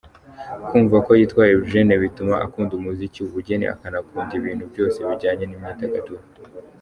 Kumva ko yitwa Eugene bituma akunda umuziki, ubugeni akanakunda ibintu byose bijyanye n’imyidagaduro,.